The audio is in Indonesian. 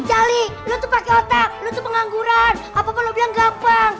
jali lu tuh pake otak lu tuh pengangguran apa pun lu bilang gampang